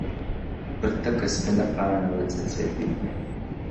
پرتكه سپينه پاڼه وڅڅېدې-